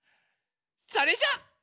それじゃあ。